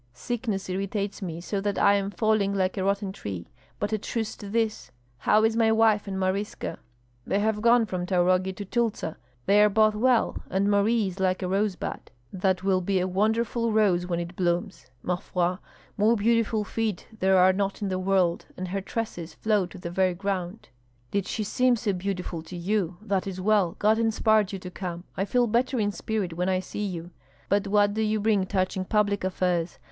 Sickness irritates me so that I am falling like a rotten tree. But a truce to this! How is my wife and Maryska?" "They have gone from Taurogi to Tyltsa. They are both well, and Marie is like a rosebud; that will be a wonderful rose when it blooms. Ma foi! more beautiful feet there are not in the world, and her tresses flow to the very ground." "Did she seem so beautiful to you? That is well. God inspired you to come; I feel better in spirit when I see you. But what do you bring touching public affairs?